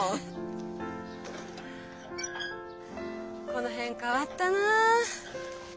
この辺変わったなあ。